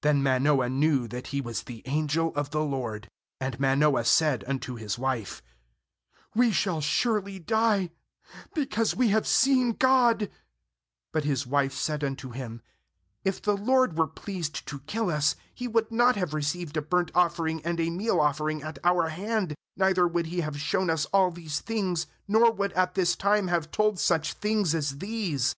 Then Manoah knew that he was the angel of the LORD. 22And Manoah said unto his wife: 'We shall sure ly die, because we have seen God ' ^But his wife said unto him: 'If the LORD were pleased to kill us, He would not have received a burnt offering and a meal offering at our hand, neither would He have shown us all these things, nor would at this time have told such things as these.'